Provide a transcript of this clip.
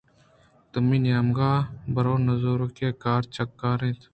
دومی نیمگءَ برنزوک ءِ کار ءَچکار اَنت